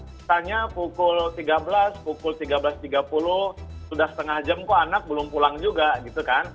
misalnya pukul tiga belas pukul tiga belas tiga puluh sudah setengah jam kok anak belum pulang juga gitu kan